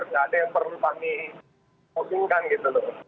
tidak ada yang perlu kami mungkinkan gitu lho